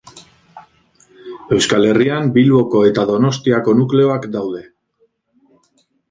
Euskal Herrian Bilboko eta Donostiako nukleoak daude.